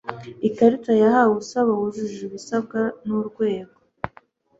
ikarita yahawe usaba wujuje ibisabwa n'urwego